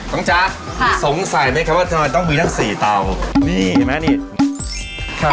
น้องจ้าค่ะสงสัยไหมคะว่าเราต้องมีทั้งสี่เตานี่เห็นไหมอ่ะนี่ครับ